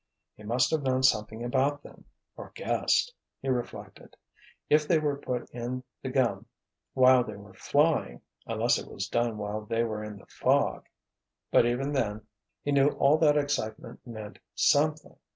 "He must have known something about them—or guessed," he reflected. "If they were put in the gum while they were flying—unless it was done while they were in the fog. But, even then, he knew all that excitement meant something.